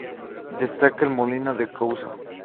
Destaca el molino de Couso.